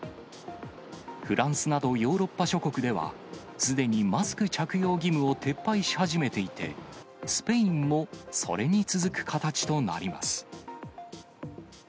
フランスなどヨーロッパ諸国では、すでにマスク着用義務を撤廃し始めていて、スペインもそれに続く形となります。